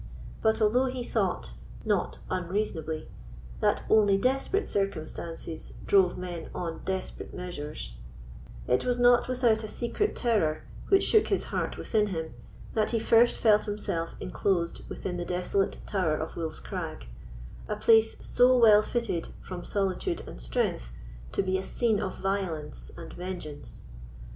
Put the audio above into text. But although he thought, not unreasonably, that only desperate circumstances drove men on desperate measures, it was not without a secret terror, which shook his heart within him, that he first felt himself inclosed within the desolate Tower of Wolf's Crag; a place so well fitted, from solitude and strength, to be a scene of violence and vengeance.